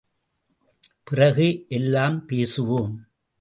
பிறகு எல்லாம் பேசுவோம்.